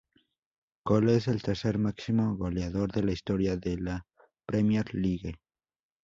Cole es el tercer máximo goleador de la historia de la Premier League.